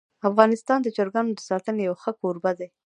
افغانستان د چرګانو د ساتنې یو ښه کوربه دی.